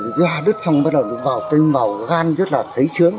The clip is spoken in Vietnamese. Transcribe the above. rồi ra đứt xong bắt đầu vào tên vào gan rất là thấy trướng